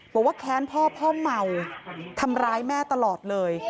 แค้นพ่อพ่อเมาทำร้ายแม่ตลอดเลย